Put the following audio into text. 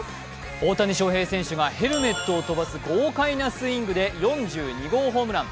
大谷翔平選手がヘルメットを飛ばす豪快なスイングで４２号ホームラン。